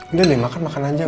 udah deh makan makan aja